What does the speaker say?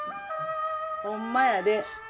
ほんまやで。